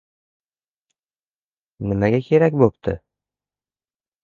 — Nimaga kerak bo‘pti?